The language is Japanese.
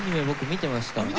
僕見てました。